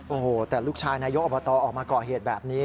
โอ้โหแต่ลูกชายนายกอบตออกมาก่อเหตุแบบนี้